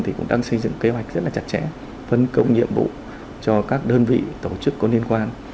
thì cũng đang xây dựng kế hoạch rất là chặt chẽ phân công nhiệm vụ cho các đơn vị tổ chức có liên quan